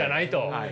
はい。